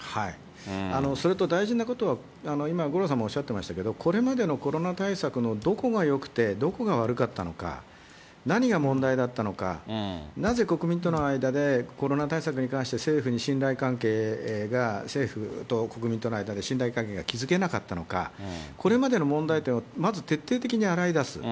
それと大事なことは、今五郎さんもおっしゃってましたけれども、これまでのコロナ対策のどこがよくて、どこが悪かったのか、何が問題だったのか、なぜ国民との間で、コロナ対策に関して政府に信頼関係が、政府と国民との間で信頼関係が築けなかったのか、これまでの問題点をまず徹底的に洗い出す。